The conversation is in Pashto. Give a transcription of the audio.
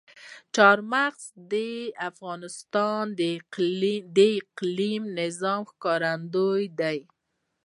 چار مغز د افغانستان د اقلیمي نظام ښکارندوی ده.